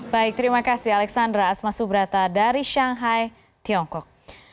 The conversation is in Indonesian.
baik terima kasih alexandra asma subrata dari shanghai tiongkok